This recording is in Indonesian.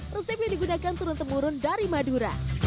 resep yang digunakan turun temurun dari madura